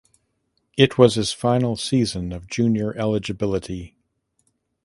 It was his final season of junior eligibility.